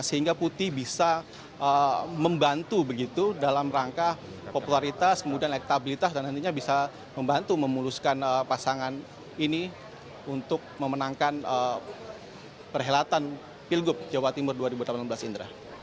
sehingga putih bisa membantu begitu dalam rangka popularitas kemudian elektabilitas dan nantinya bisa membantu memuluskan pasangan ini untuk memenangkan perhelatan pilgub jawa timur dua ribu delapan belas indra